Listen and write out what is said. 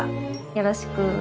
よろしく。